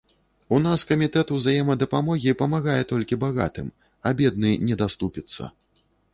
У нас камітэт узаемадапамогі памагае толькі багатым, а бедны не даступіцца.